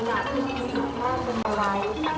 สวัสดีครับข้างหลังครับ